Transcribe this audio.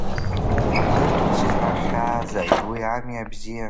Акыр дуцхраахьазааит, уи ами абзиа.